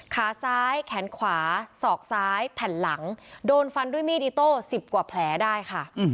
ขาซ้ายแขนขวาสอกซ้ายแผ่นหลังโดนฟันด้วยมีดอิโต้๑๐กว่าแผลได้ค่ะ